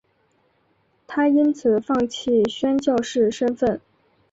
她因此放弃宣教士身分。